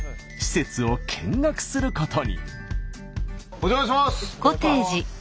お邪魔します。